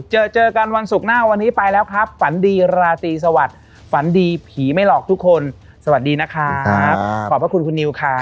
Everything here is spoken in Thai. เจอเจอกันวันศุกร์หน้าวันนี้ไปแล้วครับฝันดีราตรีสวัสดิ์ฝันดีผีไม่หลอกทุกคนสวัสดีนะครับขอบพระคุณคุณนิวครับ